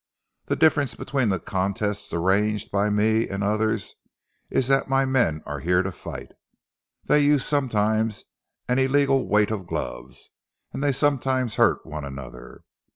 The difference between the contests arranged by me, and others, is that my men are here to fight. They use sometimes an illegal weight of glove and they sometimes hurt one another.